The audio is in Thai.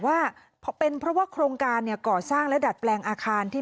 ว่าเป็นเพราะว่าโครงการเนี่ยก่อสร้างและดัดแปลงอาคารที่